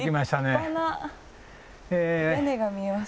立派な屋根が見えます。